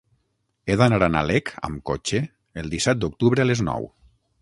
He d'anar a Nalec amb cotxe el disset d'octubre a les nou.